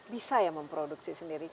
bisa ya memproduksi sendiri